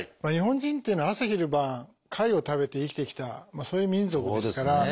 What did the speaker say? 日本人っていうのは朝昼晩貝を食べて生きてきたそういう民族ですから。